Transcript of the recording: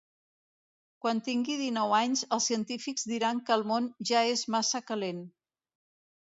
Quan tingui dinou anys els científics diran que el món ja és massa calent.